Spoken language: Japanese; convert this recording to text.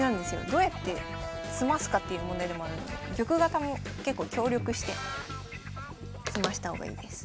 どうやって詰ますかっていう問題でもあるので玉方も結構協力して詰ました方がいいです。